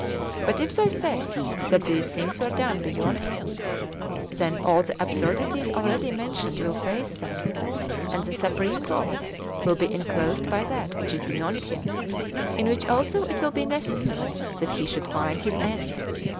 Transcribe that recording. But if they say [that these things were done] beyond Him, then all the absurdities already mentioned will face them, and the Supreme God will be enclosed by that which is beyond Him, in which also it will be necessary that He should find His end.